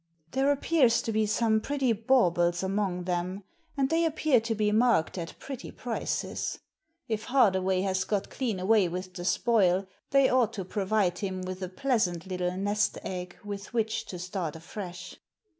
" There appears to be some pretty baubles among them, and they appear to be marked at pretty prices. If Hardaway has got clean away with the spoil they ought to provide him with a pleasant little nest egg with which to start afresh."